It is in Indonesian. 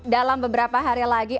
dalam beberapa hari lagi